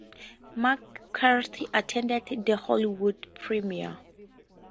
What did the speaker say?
McCarthy attended the Hollywood premiere.